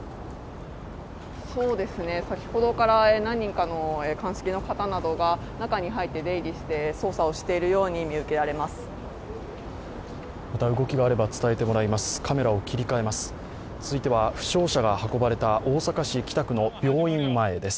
先ほどから何人かの鑑識の方などが中に入って出入りして捜査をしているように見受けられます。